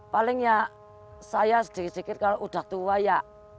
paling ya saya sedikit sedikit kalau udah tua ya